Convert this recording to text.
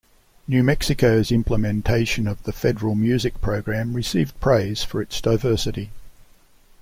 New Mexico's implementation of the Federal Music Program received praise for its diversity.